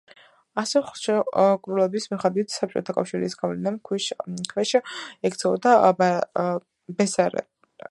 ასევე ხელშეკრულების მიხედვით საბჭოთა კავშირის გავლენის ქვეშ ექცეოდა ბესარაბია.